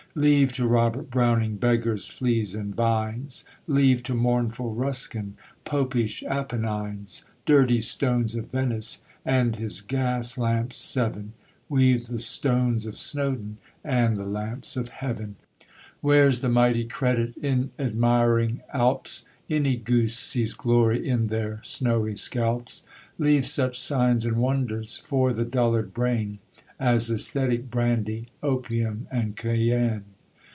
Leave to Robert Browning Beggars, fleas, and vines; Leave to mournful Ruskin Popish Apennines, Dirty Stones of Venice And his Gas lamps Seven We've the stones of Snowdon And the lamps of heaven. Where's the mighty credit In admiring Alps? Any goose sees 'glory' In their 'snowy scalps.' Leave such signs and wonders For the dullard brain, As aesthetic brandy, Opium and cayenne.